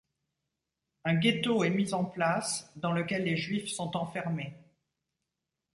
Un ghetto est mis en place, dans lequel les juifs sont enfermés.